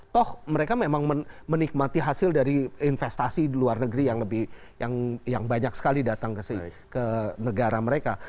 toh mereka memang menikmati hasil dari investasi di luar negeri yang lebih yang banyak sekali datang ke negara mereka